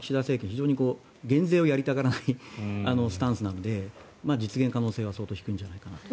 非常に減税をやりたがらないスタンスなので実現可能性は相当低いんじゃないかなと。